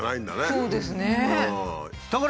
そうですね。